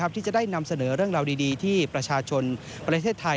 ที่จะได้นำเสนอเรื่องราวดีที่ประชาชนประเทศไทย